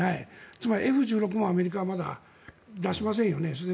つまりＦ１６もアメリカはまだ出しませんよね。